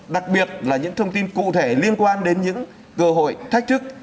đặc biệt là những thông tin cụ thể liên quan đến những cơ hội thách thức